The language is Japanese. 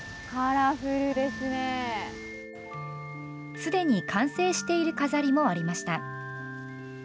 すでに完成している飾りもありました。